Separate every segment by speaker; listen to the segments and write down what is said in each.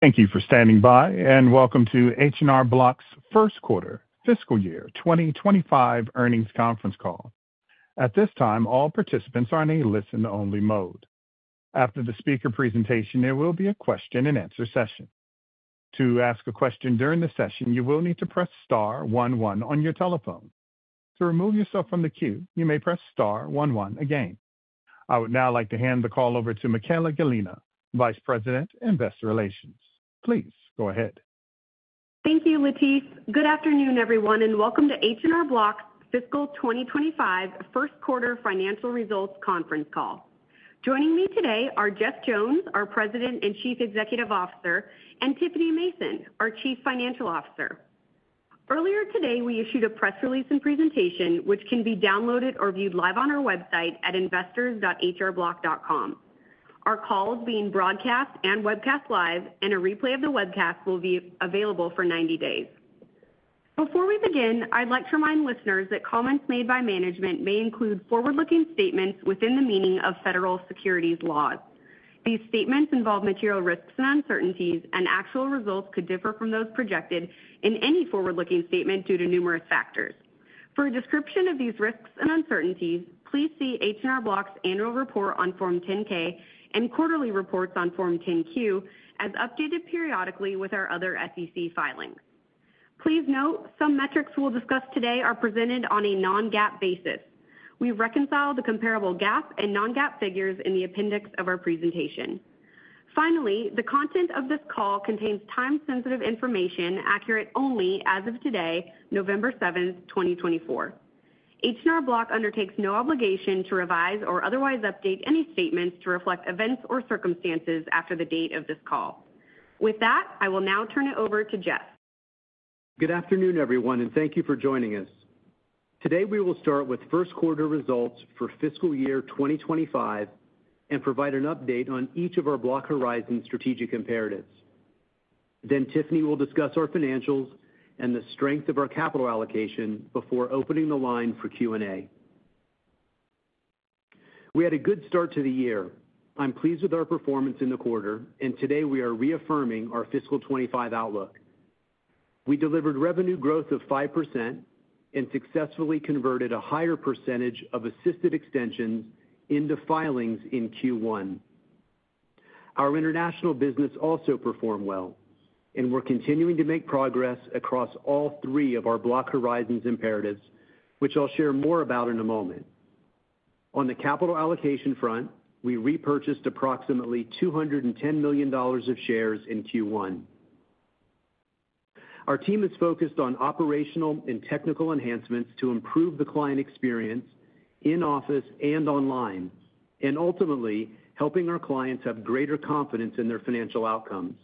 Speaker 1: Thank you for standing by, and welcome to H&R Block's first quarter, fiscal year 2025 earnings conference call. At this time, all participants are in a listen-only mode. After the speaker presentation, there will be a question-and-answer session. To ask a question during the session, you will need to press star one one on your telephone. To remove yourself from the queue, you may press star one one again. I would now like to hand the call over to Michaella Gallina, Vice President, Investor Relations. Please go ahead.
Speaker 2: Thank you, Latife. Good afternoon, everyone, and welcome to H&R Block's fiscal 2025 first quarter financial results conference call. Joining me today are Jeff Jones, our President and Chief Executive Officer, and Tiffany Mason, our Chief Financial Officer. Earlier today, we issued a press release and presentation, which can be downloaded or viewed live on our website at investors.hrblock.com. Our call is being broadcast and webcast live, and a replay of the webcast will be available for 90 days. Before we begin, I'd like to remind listeners that comments made by management may include forward-looking statements within the meaning of federal securities laws. These statements involve material risks and uncertainties, and actual results could differ from those projected in any forward-looking statement due to numerous factors. For a description of these risks and uncertainties, please see H&R Block's annual report on Form 10-K and quarterly reports on Form 10-Q as updated periodically with our other SEC filings. Please note some metrics we'll discuss today are presented on a non-GAAP basis. We've reconciled the comparable GAAP and non-GAAP figures in the appendix of our presentation. Finally, the content of this call contains time-sensitive information accurate only as of today, November 7, 2024. H&R Block undertakes no obligation to revise or otherwise update any statements to reflect events or circumstances after the date of this call. With that, I will now turn it over to Jeff.
Speaker 3: Good afternoon, everyone, and thank you for joining us. Today, we will start with first quarter results for fiscal year 2025 and provide an update on each of our Block Horizons strategic imperatives. Then Tiffany will discuss our financials and the strength of our capital allocation before opening the line for Q&A. We had a good start to the year. I'm pleased with our performance in the quarter, and today we are reaffirming our fiscal 25 outlook. We delivered revenue growth of 5% and successfully converted a higher percentage of assisted extensions into filings in Q1. Our international business also performed well, and we're continuing to make progress across all three of our Block Horizons imperatives, which I'll share more about in a moment. On the capital allocation front, we repurchased approximately $210 million of shares in Q1. Our team is focused on operational and technical enhancements to improve the client experience in office and online, and ultimately helping our clients have greater confidence in their financial outcomes.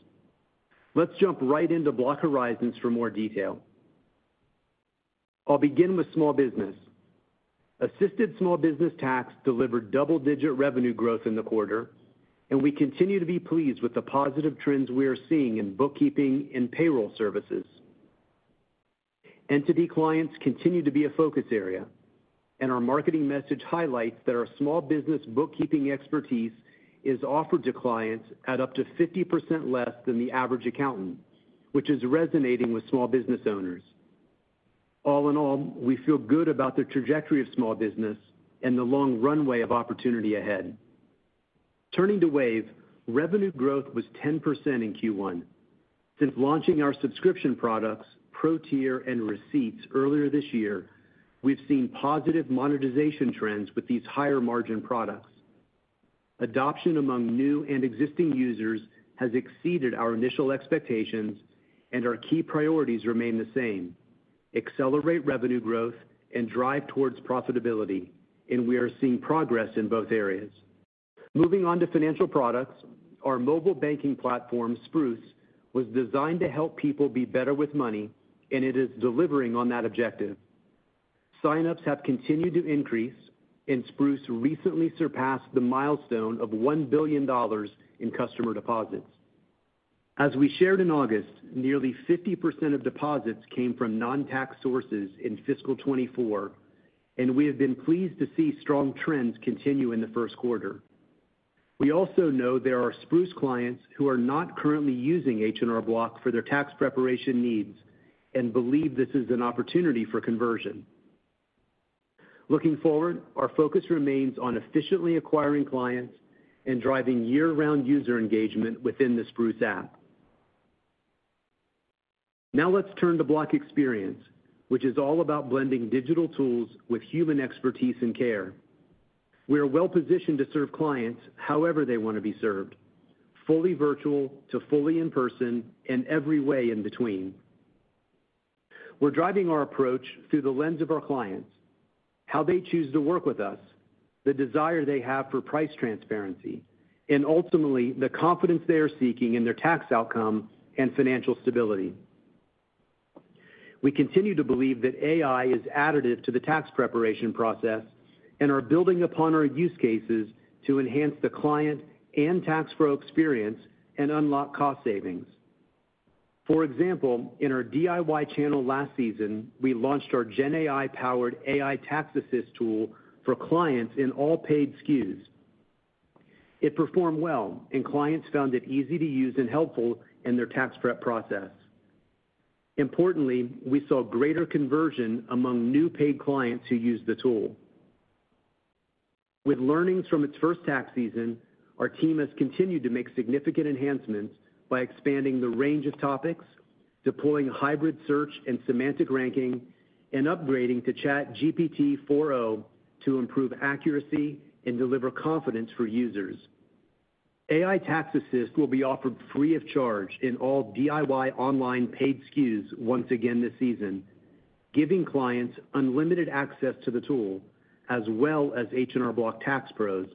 Speaker 3: Let's jump right into Block Horizons for more detail. I'll begin with small business. Assisted small business tax delivered double-digit revenue growth in the quarter, and we continue to be pleased with the positive trends we are seeing in bookkeeping and payroll services. Entity clients continue to be a focus area, and our marketing message highlights that our small business bookkeeping expertise is offered to clients at up to 50% less than the average accountant, which is resonating with small business owners. All in all, we feel good about the trajectory of small business and the long runway of opportunity ahead. Turning to Wave, revenue growth was 10% in Q1. Since launching our subscription products, Pro Tier, and Receipts earlier this year, we've seen positive monetization trends with these higher-margin products. Adoption among new and existing users has exceeded our initial expectations, and our key priorities remain the same: accelerate revenue growth and drive towards profitability, and we are seeing progress in both areas. Moving on to financial products, our mobile banking platform, Spruce, was designed to help people be better with money, and it is delivering on that objective. Sign-ups have continued to increase, and Spruce recently surpassed the milestone of $1 billion in customer deposits. As we shared in August, nearly 50% of deposits came from non-tax sources in fiscal 24, and we have been pleased to see strong trends continue in the first quarter. We also know there are Spruce clients who are not currently using H&R Block for their tax preparation needs and believe this is an opportunity for conversion. Looking forward, our focus remains on efficiently acquiring clients and driving year-round user engagement within the Spruce app. Now let's turn to Block Experience, which is all about blending digital tools with human expertise and care. We are well-positioned to serve clients however they want to be served: fully virtual to fully in-person and every way in between. We're driving our approach through the lens of our clients, how they choose to work with us, the desire they have for price transparency, and ultimately the confidence they are seeking in their tax outcome and financial stability. We continue to believe that AI is additive to the tax preparation process and are building upon our use cases to enhance the client and tax pro experience and unlock cost savings. For example, in our DIY channel last season, we launched our GenAI-powered AI Tax Assist tool for clients in all paid SKUs. It performed well, and clients found it easy to use and helpful in their tax prep process. Importantly, we saw greater conversion among new paid clients who used the tool. With learnings from its first tax season, our team has continued to make significant enhancements by expanding the range of topics, deploying hybrid search and semantic ranking, and upgrading to ChatGPT 4.0 to improve accuracy and deliver confidence for users. AI Tax Assist will be offered free of charge in all DIY online paid SKUs once again this season, giving clients unlimited access to the tool, as well as H&R Block tax pros,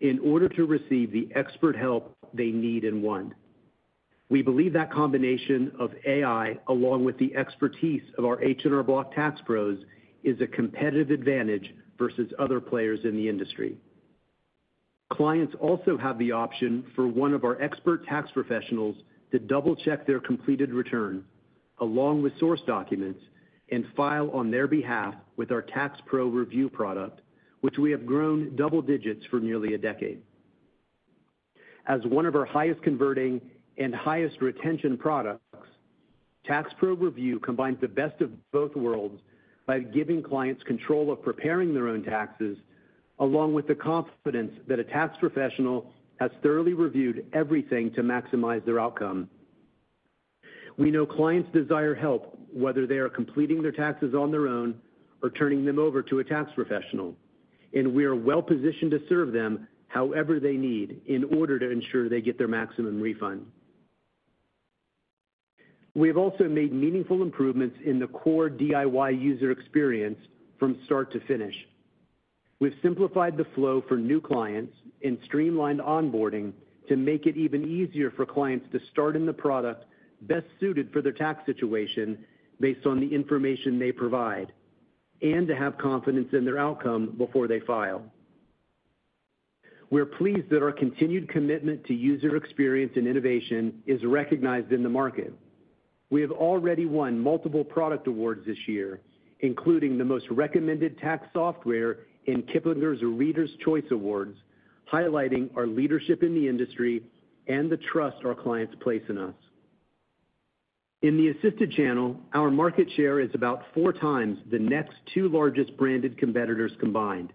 Speaker 3: in order to receive the expert help they need and want. We believe that combination of AI, along with the expertise of our H&R Block tax pros, is a competitive advantage versus other players in the industry. Clients also have the option for one of our expert tax professionals to double-check their completed return, along with source documents, and file on their behalf with our Tax Pro Review product, which we have grown double digits for nearly a decade. As one of our highest-converting and highest-retention products, Tax Pro Review combines the best of both worlds by giving clients control of preparing their own taxes, along with the confidence that a tax professional has thoroughly reviewed everything to maximize their outcome. We know clients desire help, whether they are completing their taxes on their own or turning them over to a tax professional, and we are well-positioned to serve them however they need in order to ensure they get their maximum refund. We have also made meaningful improvements in the core DIY user experience from start to finish. We've simplified the flow for new clients and streamlined onboarding to make it even easier for clients to start in the product best suited for their tax situation based on the information they provide and to have confidence in their outcome before they file. We're pleased that our continued commitment to user experience and innovation is recognized in the market. We have already won multiple product awards this year, including the most recommended tax software in Kiplinger's Readers' Choice Awards, highlighting our leadership in the industry and the trust our clients place in us. In the assisted channel, our market share is about four times the next two largest branded competitors combined.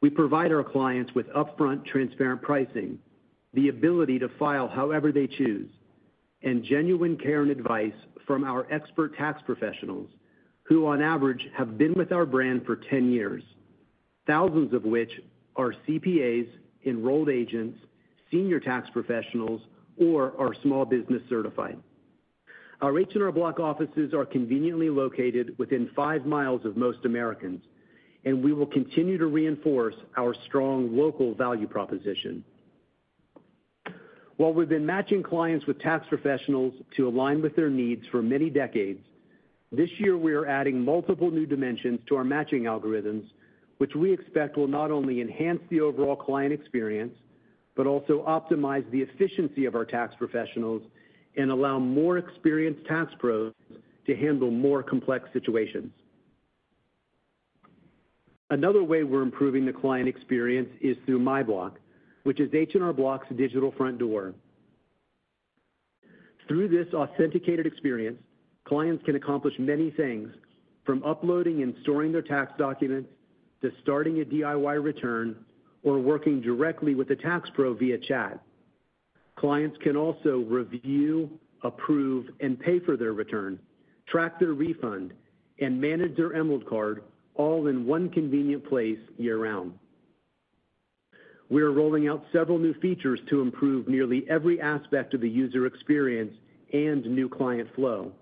Speaker 3: We provide our clients with upfront transparent pricing, the ability to file however they choose, and genuine care and advice from our expert tax professionals who, on average, have been with our brand for 10 years, thousands of which are CPAs, enrolled agents, senior tax professionals, or are small business certified. Our H&R Block offices are conveniently located within five miles of most Americans, and we will continue to reinforce our strong local value proposition. While we've been matching clients with tax professionals to align with their needs for many decades, this year we are adding multiple new dimensions to our matching algorithms, which we expect will not only enhance the overall client experience but also optimize the efficiency of our tax professionals and allow more experienced tax pros to handle more complex situations. Another way we're improving the client experience is through MyBlock, which is H&R Block's digital front door. Through this authenticated experience, clients can accomplish many things, from uploading and storing their tax documents to starting a DIY return or working directly with a tax pro via chat. Clients can also review, approve, and pay for their return, track their refund, and manage their Emerald Card, all in one convenient place year-round. We are rolling out several new features to improve nearly every aspect of the user experience and new client flow.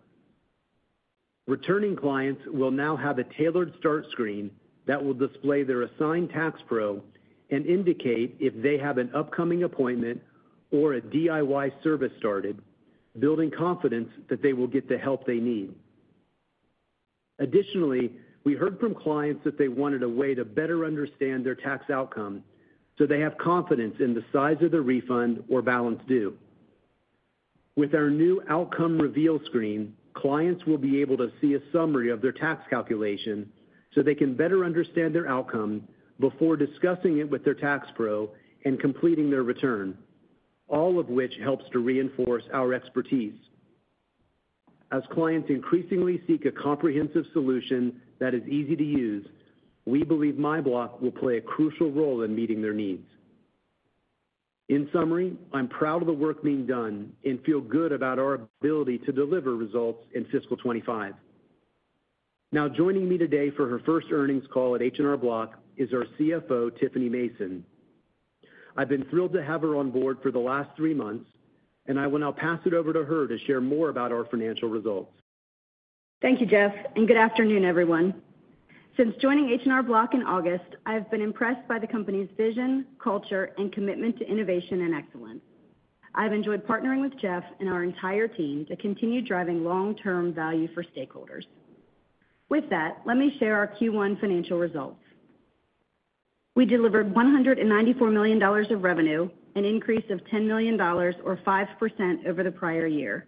Speaker 3: Returning clients will now have a tailored start screen that will display their assigned tax pro and indicate if they have an upcoming appointment or a DIY service started, building confidence that they will get the help they need. Additionally, we heard from clients that they wanted a way to better understand their tax outcome so they have confidence in the size of the refund or balance due. With our new outcome reveal screen, clients will be able to see a summary of their tax calculation so they can better understand their outcome before discussing it with their tax pro and completing their return, all of which helps to reinforce our expertise. As clients increasingly seek a comprehensive solution that is easy to use, we believe MyBlock will play a crucial role in meeting their needs. In summary, I'm proud of the work being done and feel good about our ability to deliver results in fiscal 25. Now joining me today for her first earnings call at H&R Block is our CFO, Tiffany Mason. I've been thrilled to have her on board for the last three months, and I will now pass it over to her to share more about our financial results.
Speaker 4: Thank you, Jeff, and good afternoon, everyone. Since joining H&R Block in August, I've been impressed by the company's vision, culture, and commitment to innovation and excellence. I've enjoyed partnering with Jeff and our entire team to continue driving long-term value for stakeholders. With that, let me share our Q1 financial results. We delivered $194 million of revenue, an increase of $10 million, or 5% over the prior year.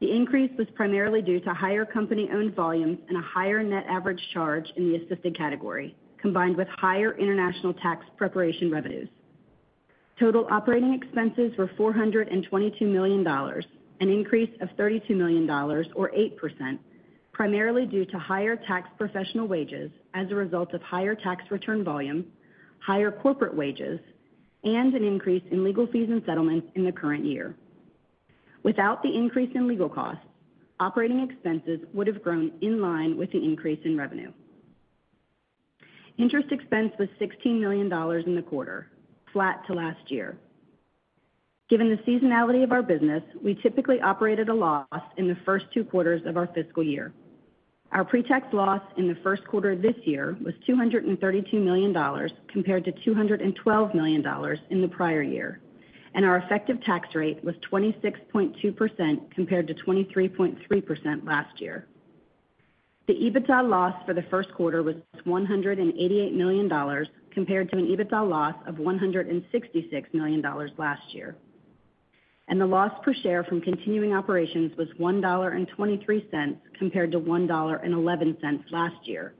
Speaker 4: The increase was primarily due to higher company-owned volumes and a higher net average charge in the assisted category, combined with higher international tax preparation revenues. Total operating expenses were $422 million, an increase of $32 million, or 8%, primarily due to higher tax professional wages as a result of higher tax return volume, higher corporate wages, and an increase in legal fees and settlements in the current year. Without the increase in legal costs, operating expenses would have grown in line with the increase in revenue. Interest expense was $16 million in the quarter, flat to last year. Given the seasonality of our business, we typically operated at a loss in the first two quarters of our fiscal year. Our pre-tax loss in the first quarter of this year was $232 million compared to $212 million in the prior year, and our effective tax rate was 26.2% compared to 23.3% last year. The EBITDA loss for the first quarter was $188 million compared to an EBITDA loss of $166 million last year. The loss per share from continuing operations was $1.23 compared to $1.11 last year,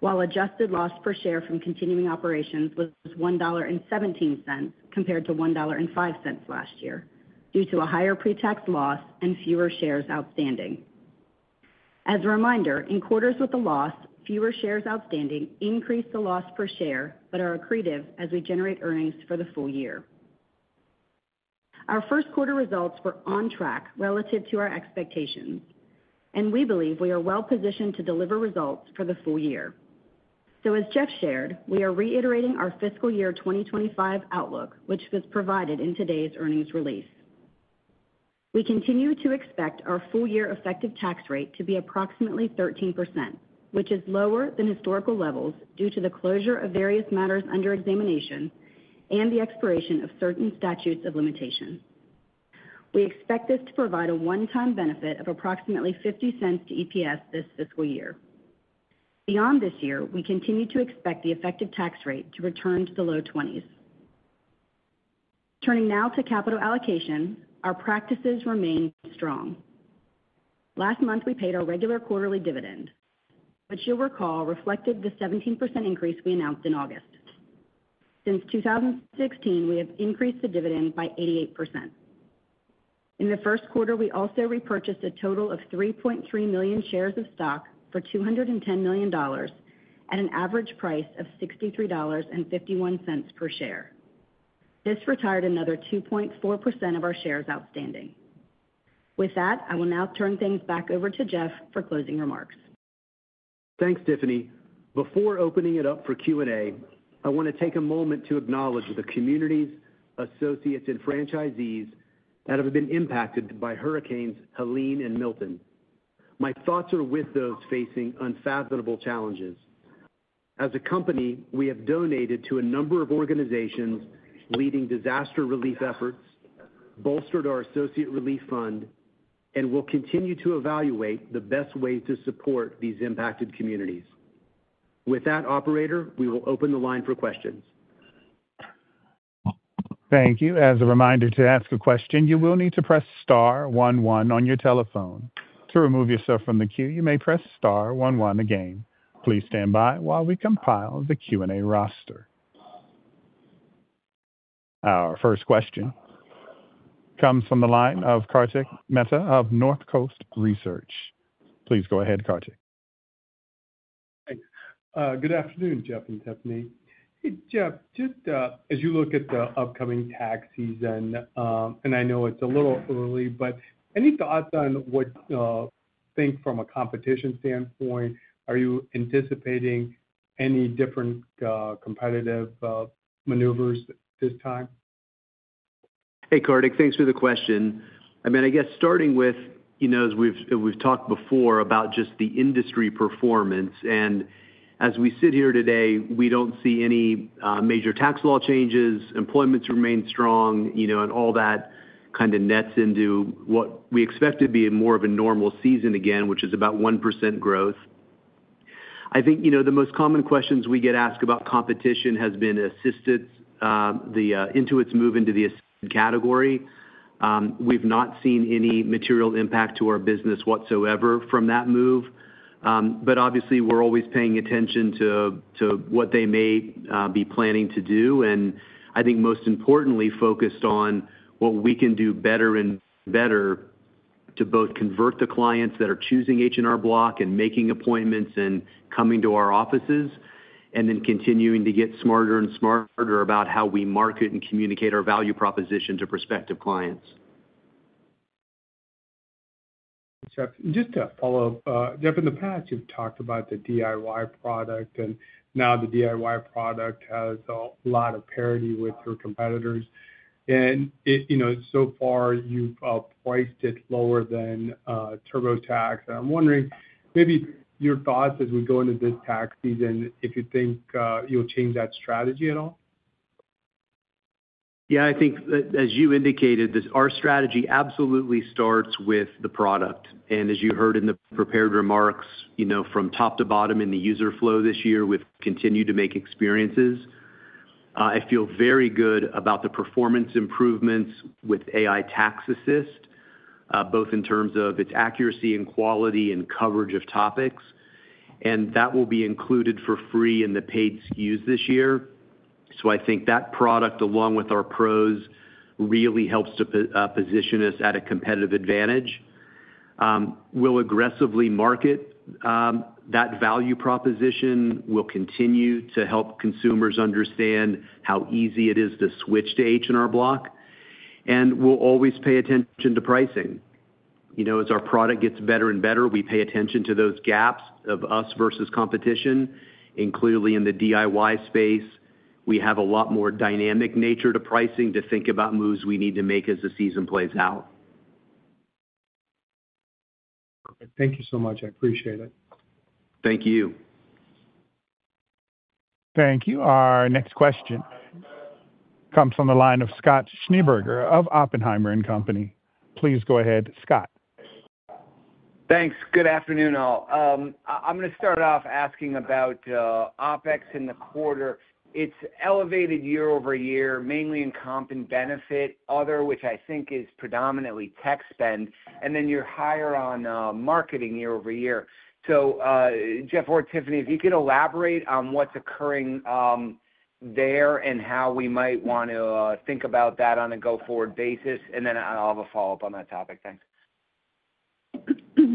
Speaker 4: while adjusted loss per share from continuing operations was $1.17 compared to $1.05 last year due to a higher pre-tax loss and fewer shares outstanding. As a reminder, in quarters with a loss, fewer shares outstanding increase the loss per share but are accretive as we generate earnings for the full year. Our first quarter results were on track relative to our expectations, and we believe we are well-positioned to deliver results for the full year. So, as Jeff shared, we are reiterating our fiscal year 2025 outlook, which was provided in today's earnings release. We continue to expect our full-year effective tax rate to be approximately 13%, which is lower than historical levels due to the closure of various matters under examination and the expiration of certain statutes of limitation. We expect this to provide a one-time benefit of approximately $0.50 to EPS this fiscal year. Beyond this year, we continue to expect the effective tax rate to return to the low 20s. Turning now to capital allocation, our practices remain strong. Last month, we paid our regular quarterly dividend, which you'll recall reflected the 17% increase we announced in August. Since 2016, we have increased the dividend by 88%. In the first quarter, we also repurchased a total of 3.3 million shares of stock for $210 million at an average price of $63.51 per share. This retired another 2.4% of our shares outstanding. With that, I will now turn things back over to Jeff for closing remarks.
Speaker 3: Thanks, Tiffany. Before opening it up for Q&A, I want to take a moment to acknowledge the communities, associates, and franchisees that have been impacted by Hurricanes Helene and Milton. My thoughts are with those facing unfathomable challenges. As a company, we have donated to a number of organizations, leading disaster relief efforts, bolstered our associate relief fund, and will continue to evaluate the best ways to support these impacted communities. With that, Operator, we will open the line for questions.
Speaker 1: Thank you. As a reminder to ask a question, you will need to press star one one on your telephone. To remove yourself from the queue, you may press star one one again. Please stand by while we compile the Q&A roster. Our first question comes from the line of Kartik Mehta of North Coast Research. Please go ahead, Kartik.
Speaker 5: Good afternoon, Jeff and Tiffany. Jeff, just as you look at the upcoming tax season, and I know it's a little early, but any thoughts on what you think from a competitive standpoint? Are you anticipating any different competitive maneuvers this time?
Speaker 3: Hey, Kartik, thanks for the question. I mean, I guess starting with, as we've talked before about just the industry performance, and as we sit here today, we don't see any major tax law changes. Employment's remained strong, and all that kind of nets into what we expect to be more of a normal season again, which is about 1% growth. I think the most common questions we get asked about competition has been assisted, the Intuit's move into the assisted category. We've not seen any material impact to our business whatsoever from that move. But obviously, we're always paying attention to what they may be planning to do, and I think most importantly, focused on what we can do better and better to both convert the clients that are choosing H&R Block and making appointments and coming to our offices, and then continuing to get smarter and smarter about how we market and communicate our value proposition to prospective clients.
Speaker 5: Jeff, just to follow up, Jeff, in the past, you've talked about the DIY product, and now the DIY product has a lot of parity with your competitors. And so far, you've priced it lower than TurboTax. And I'm wondering, maybe your thoughts as we go into this tax season, if you think you'll change that strategy at all?
Speaker 3: Yeah, I think, as you indicated, our strategy absolutely starts with the product. And as you heard in the prepared remarks, from top to bottom in the user flow this year, we've continued to make experiences. I feel very good about the performance improvements with AI Tax Assist, both in terms of its accuracy and quality and coverage of topics. And that will be included for free in the paid SKUs this year. So I think that product, along with our pros, really helps to position us at a competitive advantage. We'll aggressively market that value proposition. We'll continue to help consumers understand how easy it is to switch to H&R Block. And we'll always pay attention to pricing. As our product gets better and better, we pay attention to those gaps of us versus competition. Clearly, in the DIY space, we have a lot more dynamic nature to pricing to think about moves we need to make as the season plays out.
Speaker 5: Thank you so much. I appreciate it.
Speaker 3: Thank you.
Speaker 1: Thank you. Our next question comes from the line of Scott Schneeberger of Oppenheimer & Company. Please go ahead, Scott.
Speaker 6: Thanks. Good afternoon, all. I'm going to start off asking about OpEx in the quarter. It's elevated year over year, mainly in comp and benefit, other, which I think is predominantly tech spend, and then you're higher on marketing year over year. So, Jeff or Tiffany, if you could elaborate on what's occurring there and how we might want to think about that on a go-forward basis, and then I'll have a follow-up on that topic. Thanks.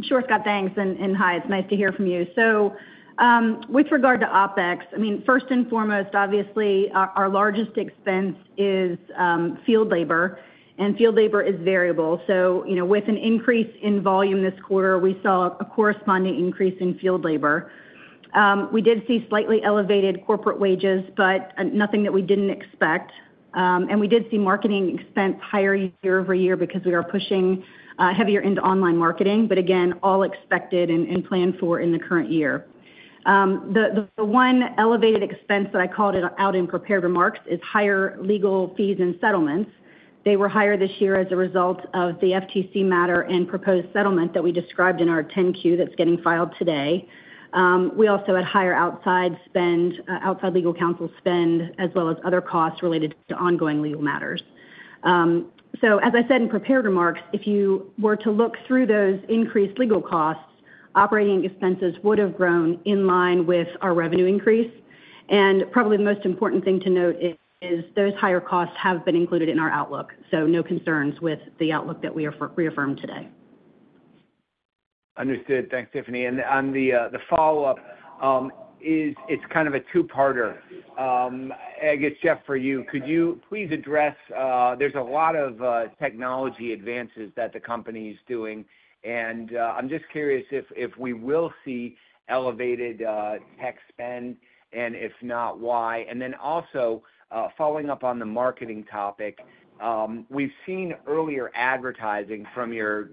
Speaker 4: Sure, Scott, thanks. And hi, it's nice to hear from you. So, with regard to OpEx, I mean, first and foremost, obviously, our largest expense is field labor. And field labor is variable. So, with an increase in volume this quarter, we saw a corresponding increase in field labor. We did see slightly elevated corporate wages, but nothing that we didn't expect. And we did see marketing expense higher year over year because we are pushing heavier into online marketing, but again, all expected and planned for in the current year. The one elevated expense that I called out in prepared remarks is higher legal fees and settlements. They were higher this year as a result of the FTC matter and proposed settlement that we described in our 10-Q that's getting filed today. We also had higher outside legal counsel spend, as well as other costs related to ongoing legal matters. So, as I said in prepared remarks, if you were to look through those increased legal costs, operating expenses would have grown in line with our revenue increase. And probably the most important thing to note is those higher costs have been included in our outlook. So, no concerns with the outlook that we have reaffirmed today.
Speaker 6: Understood. Thanks, Tiffany. And on the follow-up, it's kind of a two-parter. I guess, Jeff, for you, could you please address there's a lot of technology advances that the company is doing. And I'm just curious if we will see elevated tech spend, and if not, why? And then also, following up on the marketing topic, we've seen earlier advertising from your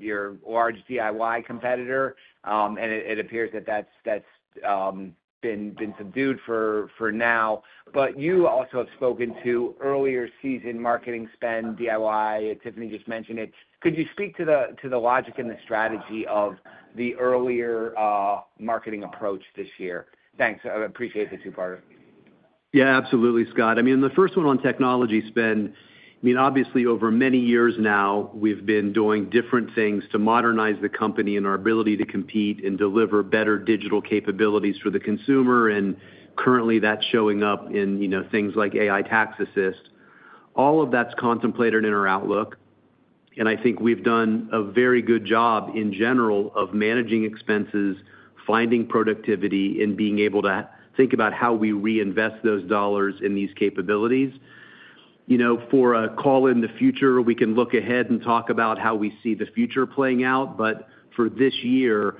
Speaker 6: large DIY competitor, and it appears that that's been subdued for now. But you also have spoken to earlier season marketing spend, DIY. Tiffany just mentioned it. Could you speak to the logic and the strategy of the earlier marketing approach this year? Thanks. I appreciate the two-parter.
Speaker 3: Yeah, absolutely, Scott. I mean, the first one on technology spend, I mean, obviously, over many years now, we've been doing different things to modernize the company and our ability to compete and deliver better digital capabilities for the consumer. And currently, that's showing up in things like AI Tax Assist. All of that's contemplated in our outlook. And I think we've done a very good job in general of managing expenses, finding productivity, and being able to think about how we reinvest those dollars in these capabilities. For a call in the future, we can look ahead and talk about how we see the future playing out. But for this year,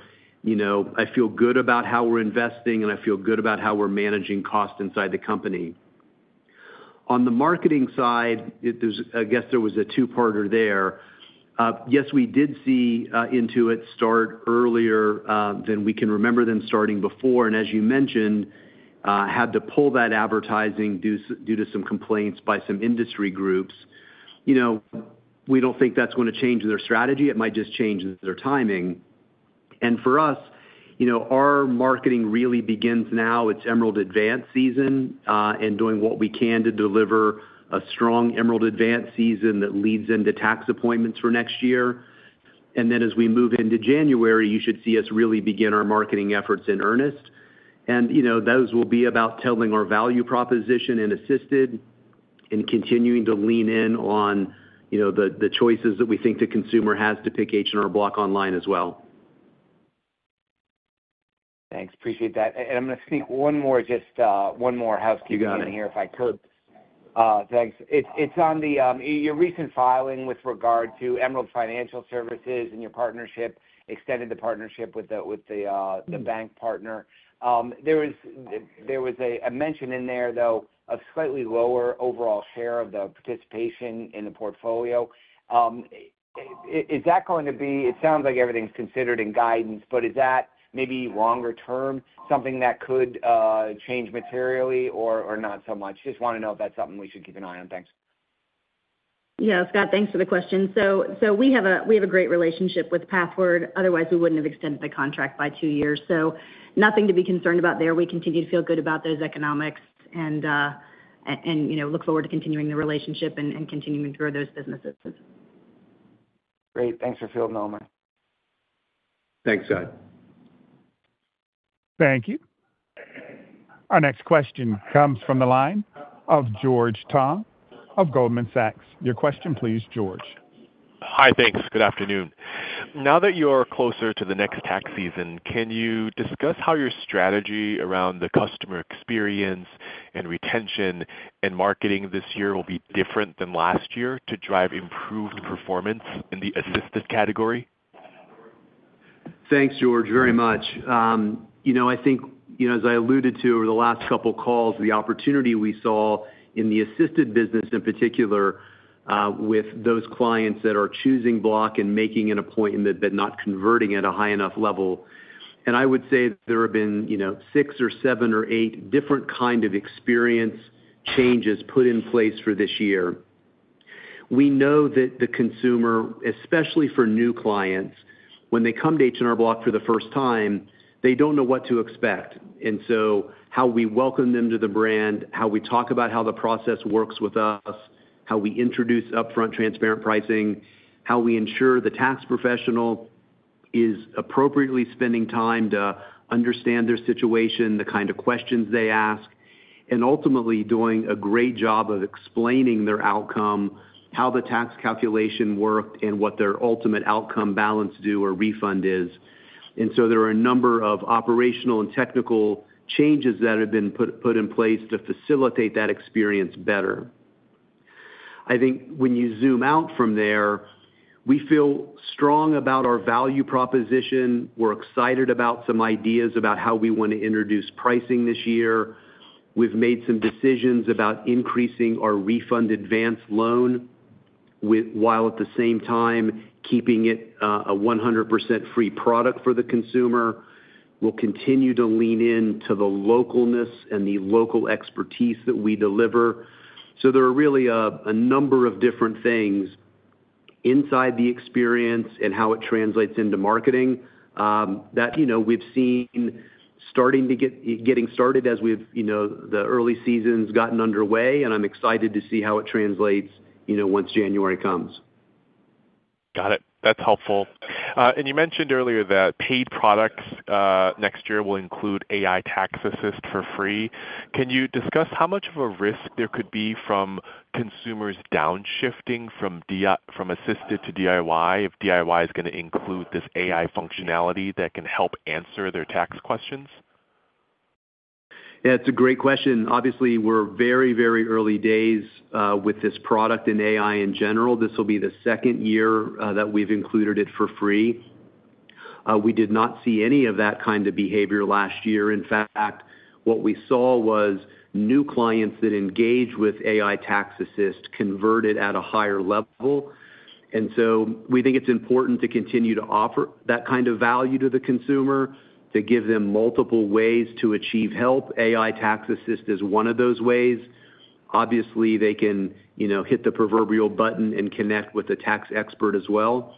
Speaker 3: I feel good about how we're investing, and I feel good about how we're managing costs inside the company. On the marketing side, I guess there was a two-parter there. Yes, we did see Intuit start earlier than we can remember them starting before. And as you mentioned, had to pull that advertising due to some complaints by some industry groups. We don't think that's going to change their strategy. It might just change their timing. And for us, our marketing really begins now. It's Emerald Advance season and doing what we can to deliver a strong Emerald Advance season that leads into tax appointments for next year. And then as we move into January, you should see us really begin our marketing efforts in earnest. And those will be about telling our value proposition and assisted and continuing to lean in on the choices that we think the consumer has to pick H&R Block online as well.
Speaker 6: Thanks. Appreciate that. And I'm going to speak one more, just one more housekeeping item here if I could. Thanks. It's on your recent filing with regard to Emerald Financial Services and your partnership, extended the partnership with the bank partner. There was a mention in there, though, of slightly lower overall share of the participation in the portfolio. Is that going to be it sounds like everything's considered in guidance, but is that maybe longer-term something that could change materially or not so much? Just want to know if that's something we should keep an eye on. Thanks.
Speaker 4: Yeah, Scott, thanks for the question. So we have a great relationship with Pathward. Otherwise, we wouldn't have extended the contract by two years. So nothing to be concerned about there. We continue to feel good about those economics and look forward to continuing the relationship and continuing to grow those businesses.
Speaker 6: Great. Thanks for fielding all mine.
Speaker 3: Thanks, Scott.
Speaker 1: Thank you. Our next question comes from the line of George Tong of Goldman Sachs. Your question, please, George.
Speaker 7: Hi, thanks. Good afternoon. Now that you're closer to the next tax season, can you discuss how your strategy around the customer experience and retention and marketing this year will be different than last year to drive improved performance in the assisted category?
Speaker 3: Thanks, George, very much. I think, as I alluded to over the last couple of calls, the opportunity we saw in the assisted business in particular with those clients that are choosing Block and making an appointment but not converting at a high enough level, and I would say there have been six or seven or eight different kinds of experience changes put in place for this year. We know that the consumer, especially for new clients, when they come to H&R Block for the first time, they don't know what to expect. And so how we welcome them to the brand, how we talk about how the process works with us, how we introduce upfront transparent pricing, how we ensure the tax professional is appropriately spending time to understand their situation, the kind of questions they ask, and ultimately doing a great job of explaining their outcome, how the tax calculation worked, and what their ultimate outcome balance due or refund is. And so there are a number of operational and technical changes that have been put in place to facilitate that experience better. I think when you zoom out from there, we feel strong about our value proposition. We're excited about some ideas about how we want to introduce pricing this year. We've made some decisions about increasing our Refund Advance loan while at the same time keeping it a 100% free product for the consumer. We'll continue to lean into the localness and the local expertise that we deliver. So there are really a number of different things inside the experience and how it translates into marketing that we've seen starting to get started as the early season's gotten underway. And I'm excited to see how it translates once January comes.
Speaker 7: Got it. That's helpful. And you mentioned earlier that paid products next year will include AI Tax Assist for free. Can you discuss how much of a risk there could be from consumers downshifting from assisted to DIY if DIY is going to include this AI functionality that can help answer their tax questions?
Speaker 3: Yeah, it's a great question. Obviously, we're very, very early days with this product and AI in general. This will be the second year that we've included it for free. We did not see any of that kind of behavior last year. In fact, what we saw was new clients that engage with AI Tax Assist converted at a higher level. And so we think it's important to continue to offer that kind of value to the consumer, to give them multiple ways to achieve help. AI Tax Assist is one of those ways. Obviously, they can hit the proverbial button and connect with a tax expert as well.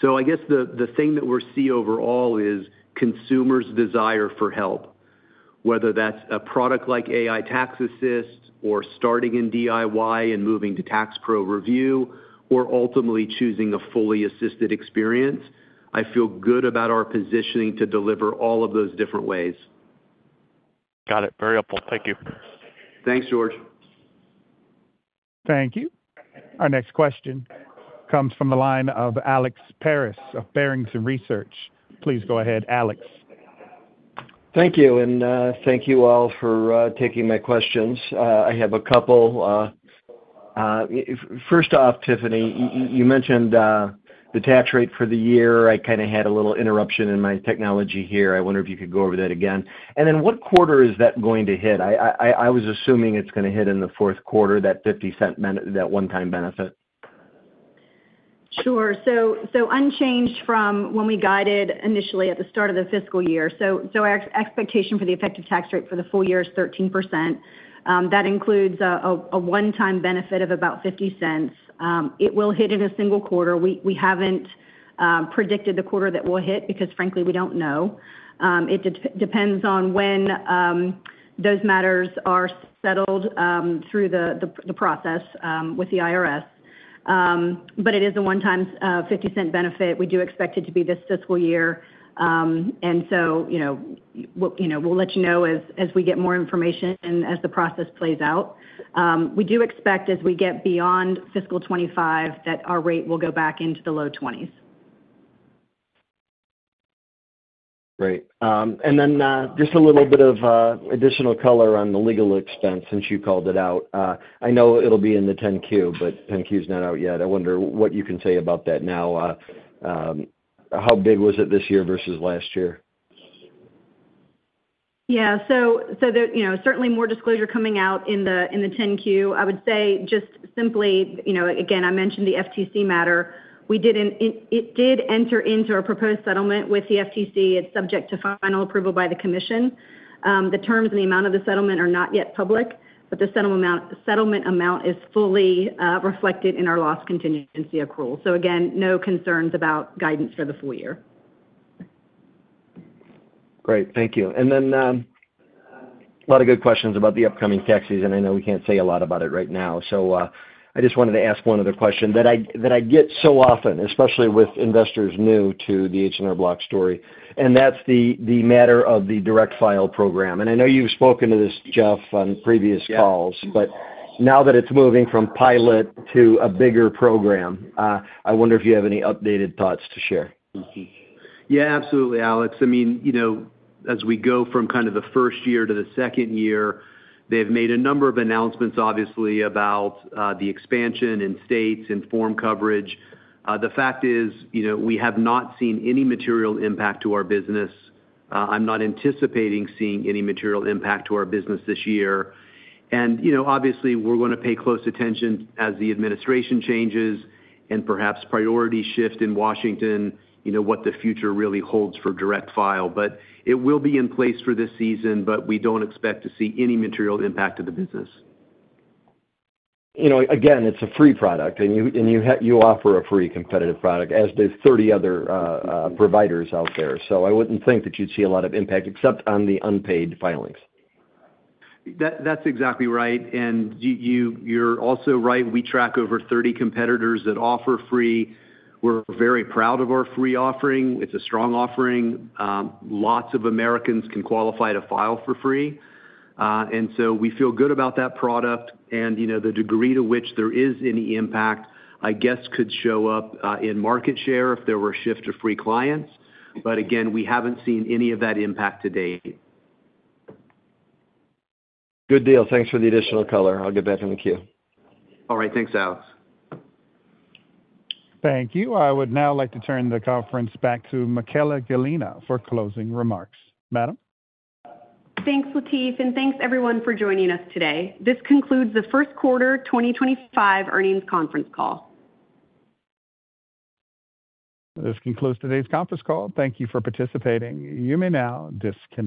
Speaker 3: So I guess the thing that we're seeing overall is consumers' desire for help, whether that's a product like AI Tax Assist or starting in DIY and moving to Tax Pro Review or ultimately choosing a fully assisted experience. I feel good about our positioning to deliver all of those different ways.
Speaker 7: Got it. Very helpful. Thank you.
Speaker 3: Thanks, George.
Speaker 1: Thank you. Our next question comes from the line of Alex Paris of Barrington Research. Please go ahead, Alex.
Speaker 8: Thank you. And thank you all for taking my questions. I have a couple. First off, Tiffany, you mentioned the tax rate for the year. I kind of had a little interruption in my technology here. I wonder if you could go over that again. And then what quarter is that going to hit? I was assuming it's going to hit in the fourth quarter, that $0.50 one-time benefit.
Speaker 4: Sure. So unchanged from when we guided initially at the start of the fiscal year. So our expectation for the effective tax rate for the full year is 13%. That includes a one-time benefit of about $0.50. It will hit in a single quarter. We haven't predicted the quarter that will hit because, frankly, we don't know. It depends on when those matters are settled through the process with the IRS. But it is a one-time $0.50 benefit. We do expect it to be this fiscal year. And so we'll let you know as we get more information and as the process plays out. We do expect as we get beyond fiscal 2025 that our rate will go back into the low 20s.
Speaker 8: Great. And then just a little bit of additional color on the legal expense since you called it out. I know it'll be in the 10-Q, but 10-Q's not out yet. I wonder what you can say about that now. How big was it this year versus last year?
Speaker 4: Yeah. So certainly more disclosure coming out in the 10-Q. I would say just simply, again, I mentioned the FTC matter. It did enter into a proposed settlement with the FTC. It's subject to final approval by the commission. The terms and the amount of the settlement are not yet public, but the settlement amount is fully reflected in our loss contingency accrual. So again, no concerns about guidance for the full year.
Speaker 8: Great. Thank you. And then a lot of good questions about the upcoming tax season. I know we can't say a lot about it right now. So I just wanted to ask one other question that I get so often, especially with investors new to the H&R Block story. And that's the matter of the Direct File program. And I know you've spoken to this, Jeff, on previous calls, but now that it's moving from pilot to a bigger program, I wonder if you have any updated thoughts to share.
Speaker 3: Yeah, absolutely, Alex. I mean, as we go from kind of the first year to the second year, they've made a number of announcements, obviously, about the expansion in states and form coverage. The fact is we have not seen any material impact to our business. I'm not anticipating seeing any material impact to our business this year. And obviously, we're going to pay close attention as the administration changes and perhaps priorities shift in Washington, what the future really holds for Direct File. But it will be in place for this season, but we don't expect to see any material impact to the business.
Speaker 8: Again, it's a free product, and you offer a free competitive product as do 30 other providers out there. So I wouldn't think that you'd see a lot of impact except on the unpaid filings.
Speaker 3: That's exactly right. And you're also right. We track over 30 competitors that offer free. We're very proud of our free offering. It's a strong offering. Lots of Americans can qualify to file for free. And so we feel good about that product. And the degree to which there is any impact, I guess, could show up in market share if there were a shift to free clients. But again, we haven't seen any of that impact to date.
Speaker 8: Good deal. Thanks for the additional color. I'll get back in the queue.
Speaker 3: All right. Thanks, Alex.
Speaker 1: Thank you. I would now like to turn the conference back to Michaella Gallina for closing remarks. Madam?
Speaker 2: Thanks, Latife, and thanks everyone for joining us today. This concludes the first quarter 2025 earnings conference call.
Speaker 1: This concludes today's conference call. Thank you for participating. You may now disconnect.